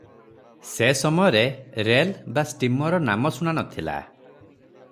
ସେ ସମୟରେ ରେଲ ବା ଷ୍ଟିମରର ନାମ ଶୁଣା ନ ଥିଲା ।